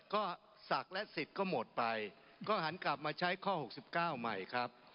ก็ศักดิ์และสิทธิ์ก็หมดไปก็หันกลับมาใช้ข้อ๖๙ใหม่ครับ